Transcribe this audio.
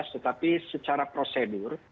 tetapi secara prosedur